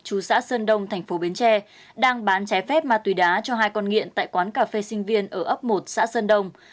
chú xã sơn đông thành phố bến tre đang bán trái phép ma túy đá cho hai con nghiện tại quán cà phê sinh viên ở ấp một xã sơn đông